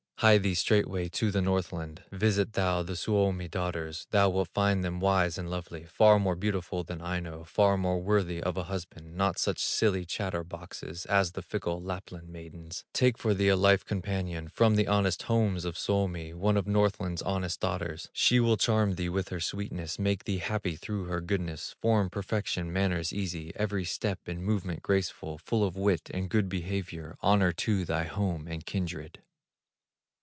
Hie thee straightway to the Northland, Visit thou the Suomi daughters; Thou wilt find them wise and lovely, Far more beautiful than Aino, Far more worthy of a husband, Not such silly chatter boxes, As the fickle Lapland maidens. Take for thee a life companion, From the honest homes of Suomi, One of Northland's honest daughters; She will charm thee with her sweetness, Make thee happy through her goodness, Form perfection, manners easy, Every step and movement graceful, Full of wit and good behavior, Honor to thy home and kindred."